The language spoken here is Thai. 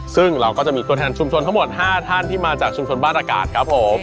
ซึ่งเราก็จะมีตัวแทนชุมชนทั้งหมด๕ท่านที่มาจากชุมชนบ้านอากาศครับผม